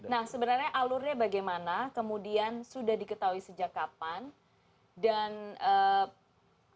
nah sebenarnya alurnya bagaimana kemudian sudah diketahui sejak kapan kemudian sudah diketahui sejak kapan